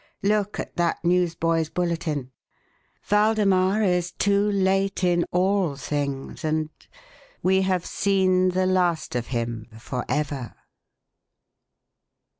Look at that newsboy's bulletin. Waldemar is too late in all things and we have seen the last of him forever."